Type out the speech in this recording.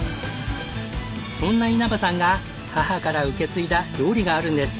そんな稲葉さんが母から受け継いだ料理があるんです。